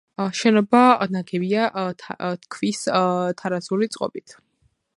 შენობა ნაგებია ქვის თარაზული წყობით.